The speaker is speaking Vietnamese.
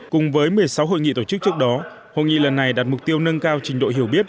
cùng với một mươi sáu hội nghị tổ chức trước đó hội nghị lần này đặt mục tiêu nâng cao trình độ hiểu biết